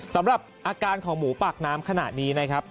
สำหรับอาการของหมูปากน้ำขณะนี้นะครับ